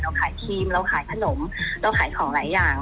เราขายครีมเราขายขนมเราขายของหลายอย่าง